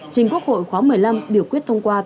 trình quốc hội khóa một mươi năm biểu quyết thông qua